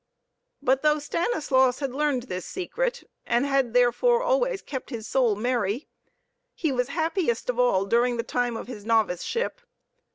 But though Stanislaus had learned this secret, and had therefore always kept his soul merry, he was happiest of all during the time of his noviceship.